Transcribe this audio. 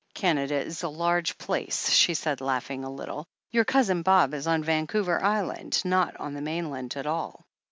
"Canada is a large place," she said, laughing a little. "Your Cousin Bob is on Vancouver Island, not on the mainland at all."